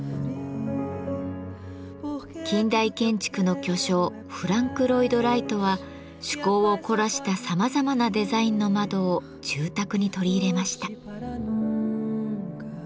近代建築の巨匠フランク・ロイド・ライトは趣向を凝らしたさまざまなデザインの窓を住宅に取り入れました。